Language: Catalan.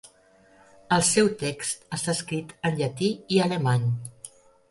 El seu text està escrit en llatí i alemany.